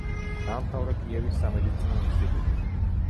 დაამთავრა კიევის სამედიცინო ინსტიტუტი.